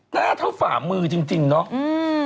หน้าเท่าฝ่ามือจริงเนาะ